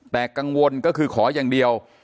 แต่กังวลก็คือขออย่างเดียว